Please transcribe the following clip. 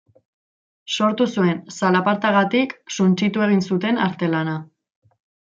Sortu zuen zalapartagatik suntsitu egin zuten artelana.